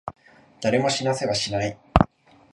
誰も死なせはしない。